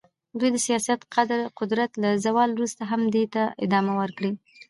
دوی د سیاسي قدرت له زوال وروسته هم دې ته ادامه ورکړه.